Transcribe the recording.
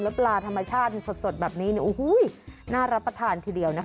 แล้วปลาธรรมชาติสดแบบนี้น่ารับประทานทีเดียวนะคะ